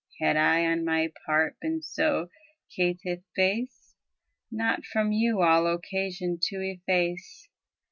Had I on my part been so caitiff base, Not from you all occasion to efface.